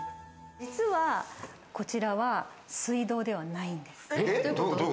実はこちらは水道ではないんです。